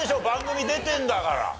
番組出てんだから。